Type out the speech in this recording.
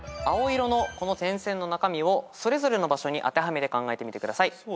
青色の点線の中身をそれぞれの場所に当てはめて考えてみてください。